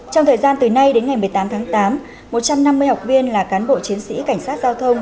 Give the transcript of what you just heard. trong thời gian từ nay đến ngày một mươi tám tháng tám một trăm năm mươi học viên là cán bộ chiến sĩ cảnh sát giao thông